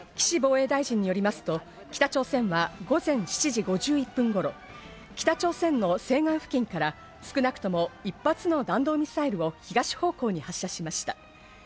岸防衛大臣によりますと、北朝鮮は午前７時５１分頃、北朝鮮の西岸付近から少なくとも１発の弾道ミサイルを東方向に発射しました。